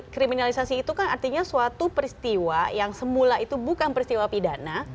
kriminalisasi itu kan artinya suatu peristiwa yang semula itu bukan peristiwa pidana